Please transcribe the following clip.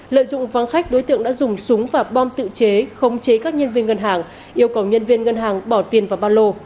lợi dụng vắng khách đối tượng đã dùng súng và bom tự chế không chế các nhân viên ngân hàng yêu cầu nhân viên ngân hàng bỏ tiền vào ba lô